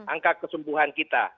angka kesembuhan kita